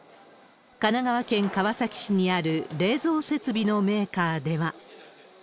神奈川県川崎市にある冷蔵設備のメーカーでは。